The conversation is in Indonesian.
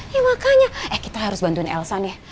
ya makanya eh kita harus bantuin elsa nih